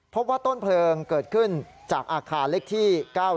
พบว่าต้นเพลิงเกิดขึ้นจากอาคารเล็กที่๙๑